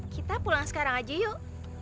kita pulang sekarang aja yuk